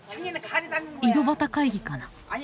井戸端会議かな。